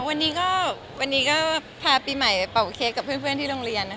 วันนี้ก็วันนี้ก็พาปีใหม่ไปเป่าเค้กกับเพื่อนที่โรงเรียนนะคะ